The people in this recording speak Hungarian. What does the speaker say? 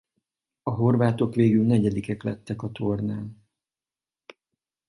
A horvátok végül negyedikek lettek a tornán.